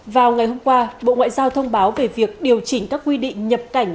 vào ngày hôm qua bộ ngoại giao thông báo về việc điều chỉnh các quy định nhập cảnh